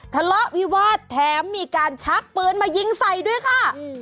ทะเลาะวิวาสแถมมีการชักปืนมายิงใส่ด้วยค่ะ